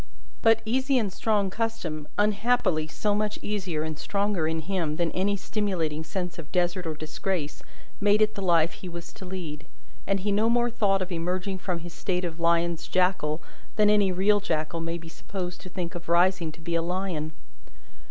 But, easy and strong custom, unhappily so much easier and stronger in him than any stimulating sense of desert or disgrace, made it the life he was to lead; and he no more thought of emerging from his state of lion's jackal, than any real jackal may be supposed to think of rising to be a lion.